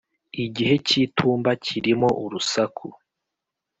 igihe cy'itumba kirimo urusaku.